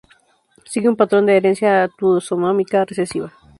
Sigue un patrón de herencia autosómica recesiva.